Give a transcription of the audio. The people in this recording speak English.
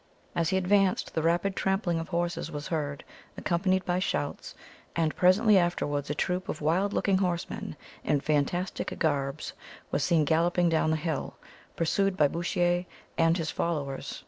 As he advanced the rapid trampling of horses was heard, accompanied by shouts, and presently afterwards a troop of wild looking horsemen in fantastic garbs was seen galloping down the hill, pursued by Bouchier and his followers.